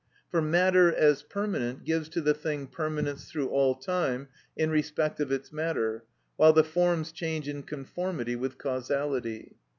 For matter, as permanent, gives to the thing permanence through all time, in respect of its matter, while the forms change in conformity with causality.